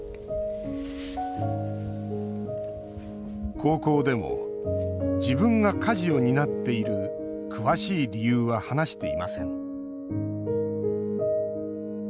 高校でも自分が家事を担っている詳しい理由は話していません。